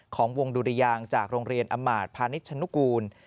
ของวงดุรยางจากโรงเรียนอำมาตย์พาณิชชนุกูล